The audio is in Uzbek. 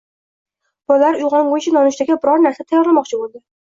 Bolalar uyg`onguncha nonushtaga biror narsa tayyorlamoqchi bo`ldi